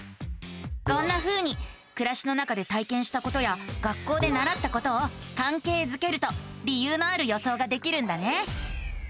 こんなふうにくらしの中で体験したことや学校でならったことをかんけいづけると理由のある予想ができるんだね。